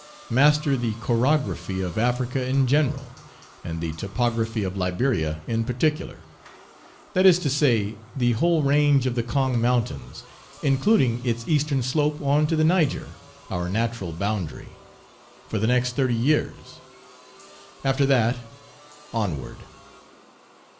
master the chorography of Africa in general, and the topography of Liberia in particular, that is to say, the whole range of the Kong mountains, including its eastern slope on to the Niger, our natural boundary! for the next thirty years! after that, onward!